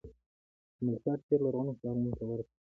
دملکیار شعر لرغونو شعرونو ته ورته دﺉ.